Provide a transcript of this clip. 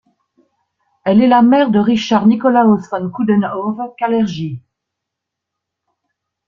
Elle est la mère de Richard Nikolaus von Coudenhove-Kalergi.